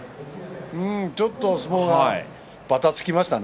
ちょっと相撲がばたつきましたね。